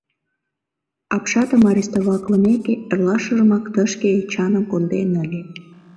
Апшатым арестоватлымеке, эрлашыжымак тышке Эчаным конден ыле.